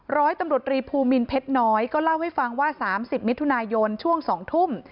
ร้อยตำรวจรีภูมินเพชรน้อยก็เล่าให้ฟังว่า๓๐มิถุนายนช่วง๒ทุ่ม